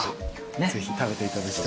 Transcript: ぜひ食べていただきたいです。